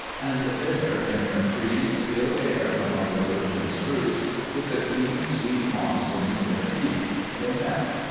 And there, in the free, still air, among the virgin spruce, with the clean, sweet moss beneath their feet, they met.